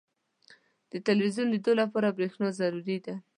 • د ټلویزیون لیدو لپاره برېښنا ضروري ده.